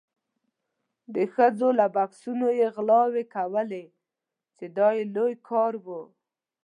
د ښځو له بکسونو یې غلاوې کولې چې دا یې لوی کار و.